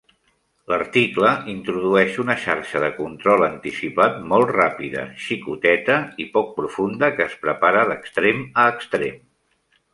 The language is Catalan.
L'article introdueix una xarxa de control anticipat molt ràpida, xicoteta i poc profunda, que es prepara d'extrem a extrem.